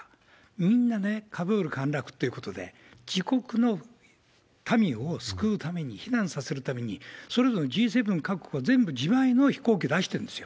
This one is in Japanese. みんなね、カブール陥落ってことで、自国の民を救うために、避難させるために、それぞれのＧ７各国が全部自前の飛行機を出してるんですよ。